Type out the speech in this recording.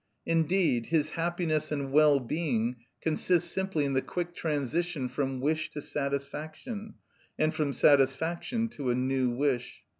Indeed, his happiness and well being consist simply in the quick transition from wish to satisfaction, and from satisfaction to a new wish.